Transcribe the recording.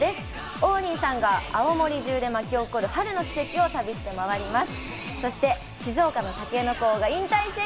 王林さんが青森じゅうで巻き起こる春の奇跡を旅して回ります。